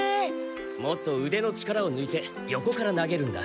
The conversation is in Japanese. もっとうでの力をぬいて横から投げるんだ。